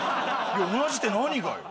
いや同じって何がよ？